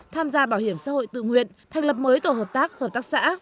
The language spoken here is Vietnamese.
tham gia bảo hiểm xã hội tự nguyện thành lập mới tổ hợp tác hợp tác xã